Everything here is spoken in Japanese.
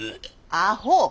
アホ！